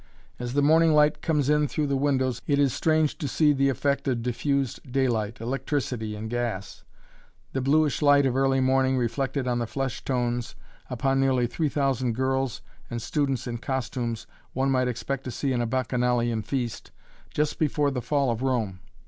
As the morning light comes in through the windows, it is strange to see the effect of diffused daylight, electricity, and gas the bluish light of early morning reflected on the flesh tones upon nearly three thousand girls and students in costumes one might expect to see in a bacchanalian feast, just before the fall of Rome.